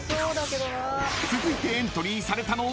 ［続いてエントリーされたのは］